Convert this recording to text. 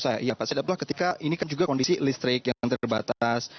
ya pak said abdullah ketika ini kan juga kondisi listrik yang terbatas